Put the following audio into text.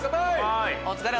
お疲れ